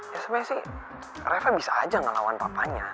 ya sebenernya sih reva bisa aja ngelawan papanya